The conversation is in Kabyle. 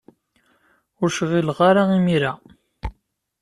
Ur cɣileɣ ara imir-a.